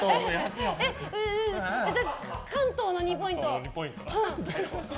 関東の２ポイント！